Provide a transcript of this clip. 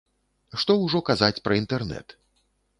Што ўжо казаць пра інтэрнэт.